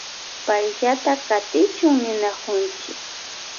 Payllata katichun ninakunchi.